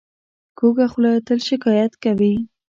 کوږه خوله تل شکایت کوي